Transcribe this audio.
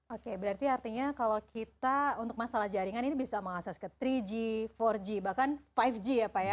oke berarti artinya kalau kita untuk masalah jaringan ini bisa mengakses ke tiga g empat g bahkan lima g ya pak ya